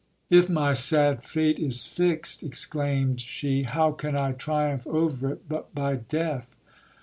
If my sad fate is fixed, exclaimed she, how can I triumph over it but by death